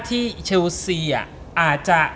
ที่เชลสีอ่ะอาจจะ